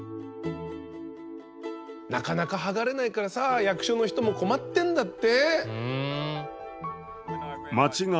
なかなか剥がれないからさ役所の人も困ってんだって。